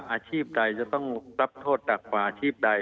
อาชีพใดจะต้องรับโทษหนักกว่าอาชีพใด